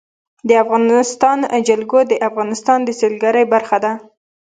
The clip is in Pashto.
د افغانستان جلکو د افغانستان د سیلګرۍ برخه ده.